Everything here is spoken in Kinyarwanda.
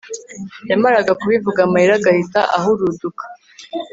yamaraga kubivuga amarira agahita ahuruduka